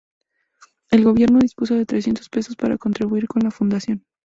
El gobierno dispuso de trescientos pesos para contribuir con la fundación.